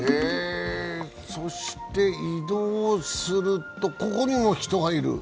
そして移動すると、ここにも人がいる。